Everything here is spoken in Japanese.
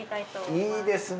いいですね